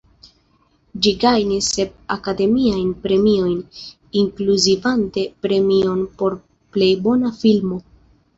Ĝi gajnis sep Akademiajn Premiojn, inkluzivante premion por plej bona filmo.